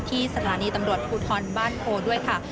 ที่ศาลาในตำรวจภูทธรบ้านโครด้วยค่ะ